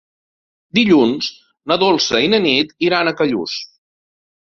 Dilluns na Dolça i na Nit iran a Callús.